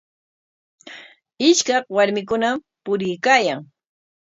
Ishkaq warmikunam puriykaayan.